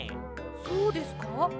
そうですか？